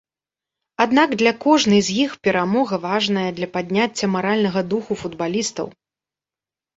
Аднак для кожнай з іх перамога важная для падняцця маральнага духу футбалістаў.